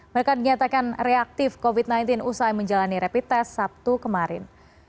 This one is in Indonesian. mereka dinyatakan reaktif covid sembilan belas usai menjalani rapid test sabtu kemarin